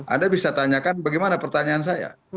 anda bisa tanyakan bagaimana pertanyaan saya